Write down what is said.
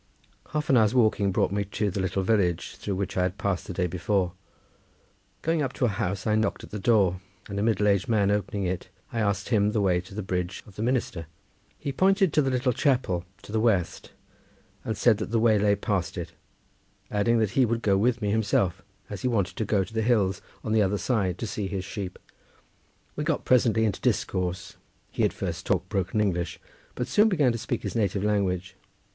Half an hour's walking brought me to the little village through which I had passed the day before. Going up to a house I knocked at the door, and a middle aged man opening it, I asked him the way to the Bridge of the Minister. He pointed to the little chapel to the west and said that the way lay past it, adding that he would go with me himself, as he wanted to go to the hills on the other side to see his sheep. We got presently into discourse. He at first talked broken English, but soon began to speak his native language.